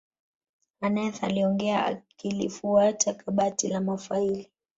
aneth aliongea akilifuata kabati la mafaili